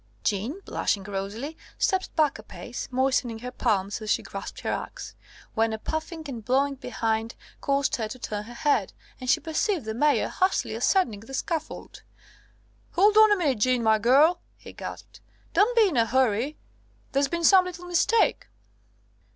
Jeanne, blushing rosily, stepped back a pace, moistening her palms as she grasped her axe, when a puffing and blowing behind caused her to turn her head, and she perceived the Mayor hastily ascending the scaffold. "Hold on a minute, Jeanne, my girl," he gasped. "Don't be in a hurry. There's been some little mistake."